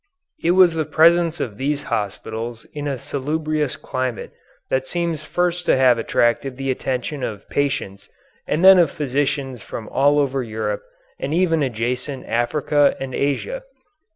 It was the presence of these hospitals in a salubrious climate that seems first to have attracted the attention of patients and then of physicians from all over Europe and even adjacent Africa and Asia.